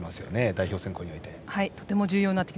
代表選考において。